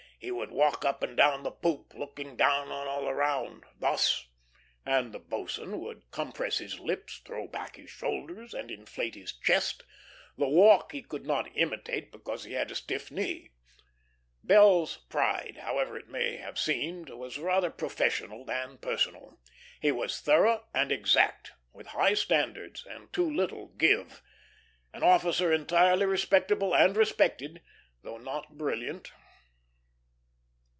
"He would walk up and down the poop, looking down on all around, thus" and the boatswain would compress his lips, throw back his shoulders, and inflate his chest; the walk he could not imitate because he had a stiff knee. Bell's pride, however it may have seemed, was rather professional than personal. He was thorough and exact, with high standards and too little give. An officer entirely respectable and respected, though not brilliant.